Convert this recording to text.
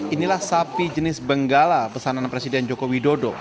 inilah sapi jenis benggala pesanan presiden jokowi dodo